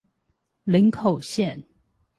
林口線